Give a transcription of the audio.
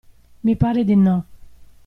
Mi pare di no.